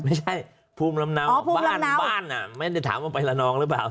ภูมิลำเนาบ้านบ้านไม่ได้ถามว่าไปละนองหรือเปล่า